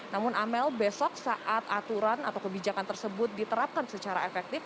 namun amel besok saat aturan atau kebijakan tersebut diterapkan secara efektif